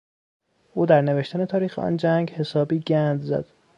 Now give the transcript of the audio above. او در نوشتن تاریخ آن جنگ حسابی گند زد.